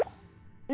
え？